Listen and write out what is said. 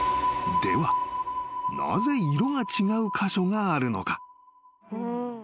［ではなぜ色が違う箇所があるのか？］